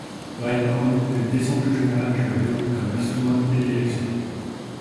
Reinhold eut dès son plus jeune âge le violon comme instrument de prédilection.